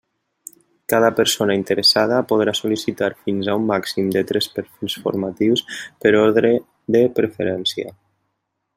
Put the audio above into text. Cada persona interessada podrà sol·licitar fins a un màxim de tres perfils formatius per ordre de preferència.